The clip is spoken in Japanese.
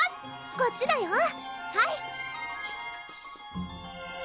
こっちだよはい！